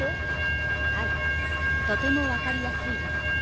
はいとてもわかりやすいです。